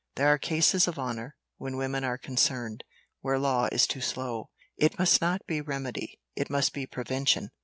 There are cases of honour, when women are concerned, where law is too slow: it must not be remedy, it must be prevention.